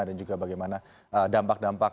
dan juga bagaimana dampak dampak